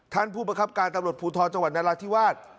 ท่านผู้ประคับการตำรวจภูทรจังหวัดนราธิวาส